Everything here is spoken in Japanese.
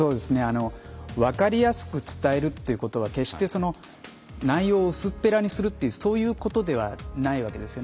分かりやすく伝えるっていうことは決して内容を薄っぺらにするっていうそういうことではないわけです。